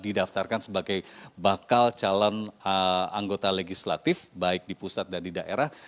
didaftarkan sebagai bakal calon anggota legislatif baik di pusat dan di daerah